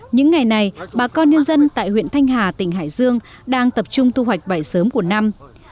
những ngày này bà con nhân dân tại huyện thanh hà tỉnh hải dương đang tập trung thu hoạch vải sớm của năm